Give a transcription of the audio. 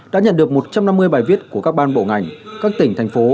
đã nhận được một trăm năm mươi bài viết của các ban bộ ngành các tỉnh thành phố